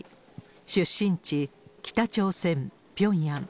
出身地、北朝鮮・ピョンヤン。